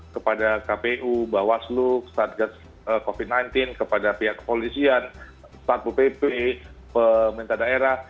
kepada kpu bawaslu stargaz covid sembilan belas kepada pihak kepolisian starpupp pemerintah daerah